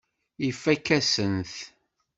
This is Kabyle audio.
Ifakk-asen-t.